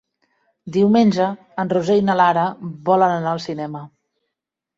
Diumenge en Roger i na Lara volen anar al cinema.